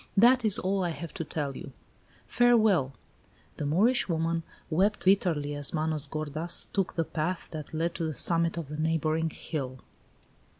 That is all I have to tell you. Farewell!" The Moorish woman wept bitterly as Manos gordas took the path that led to the summit of the neighboring hill.